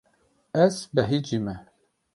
Ez behecî me.